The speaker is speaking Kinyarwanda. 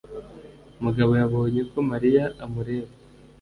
Mugabo yabonye ko Mariya amureba.